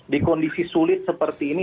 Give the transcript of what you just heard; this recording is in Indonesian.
di kondisi sulit seperti ini